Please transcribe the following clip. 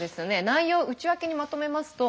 内容を内訳にまとめますと。